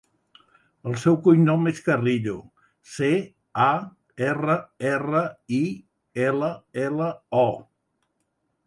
El seu cognom és Carrillo: ce, a, erra, erra, i, ela, ela, o.